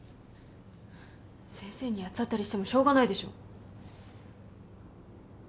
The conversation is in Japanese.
先生に八つ当たりしてもしょうがないでしょ。